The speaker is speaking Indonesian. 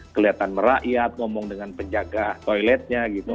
kelihatan merakyat ngomong dengan penjaga toiletnya gitu